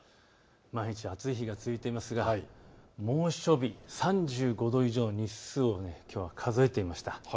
毎日暑い日が続いていますが猛暑日３５度以上の日数をきょうは数えてみました。